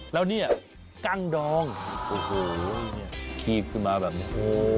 แล้วนี่กล้างดองขีบขึ้นมาแบบนี้